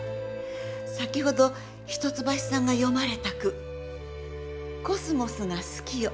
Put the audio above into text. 先ほど一橋さんが詠まれた句「秋桜が好きよ